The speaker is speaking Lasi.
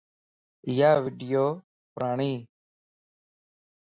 ايا ويڊيو پڙاڻيَ